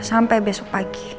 sampai besok pagi